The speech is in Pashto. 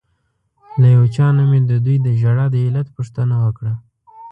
له یو چا نه مې ددوی د ژړا د علت پوښتنه وکړه.